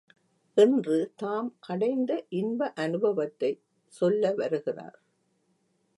என்று தாம் அடைந்த இன்ப அநுபவத்தைச் சொல்ல வருகிறார்.